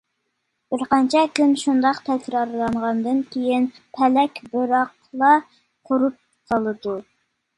بىر قانچە كۈن شۇنداق تەكرارلانغاندىن كېيىن، پەلەك بىراقلا قۇرۇپ قالىدۇ.